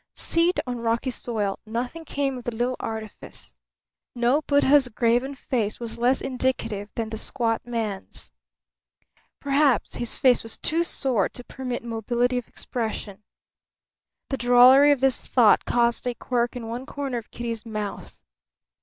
Seed on rocky soil; nothing came of the little artifice. No Buddha's graven face was less indicative than the squat man's. Perhaps his face was too sore to permit mobility of expression. The drollery of this thought caused a quirk in one corner of Kitty's mouth.